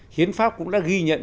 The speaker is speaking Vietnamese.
hiến pháp cũng đã ghi nhận